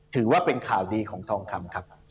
ถือว่าเป็นข่าวดีของทองคำครับ